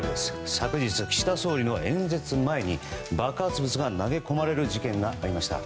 昨日、岸田総理の演説前に爆発物が投げ込まれる事件がありました。